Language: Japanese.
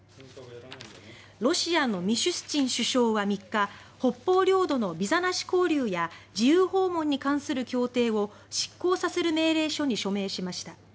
ロシアのミシュスチン首相は３日北方領土のビザなし交流や自由訪問に関する協定を失効させる命令書に署名しました。